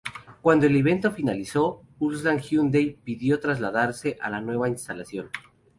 Cuando el evento finalizó, Ulsan Hyundai pudo trasladarse a la nueva instalación.